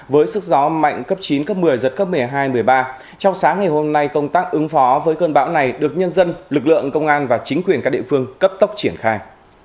với sức gió mạnh cấp chín cấp một mươi giật cấp một mươi hai một mươi ba trong sáng ngày hôm nay công tác ứng phó với cơn bão này được nhân dân lực lượng công an và chính quyền các địa phương cấp tốc triển khai